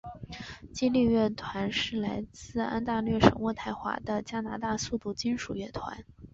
激励乐团是来自安大略省渥太华的加拿大速度金属乐团。